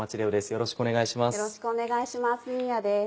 よろしくお願いします新谷です。